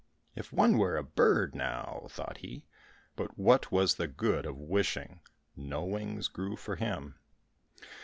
"If one was a bird now," thought he; but what was the good of wishing, no wings grew for him.